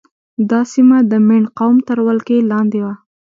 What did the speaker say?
دا سیمه د مینډ قوم تر ولکې لاندې وه.